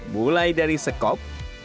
mulai dari sekop